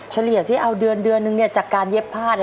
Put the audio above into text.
เฉลี่ยสิเอาเดือนนึงเนี่ยจากการเย็บผ้า